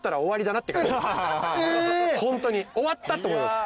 ホントに終わったって思います。